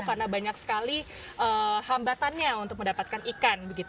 karena banyak sekali hambatannya untuk mendapatkan ikan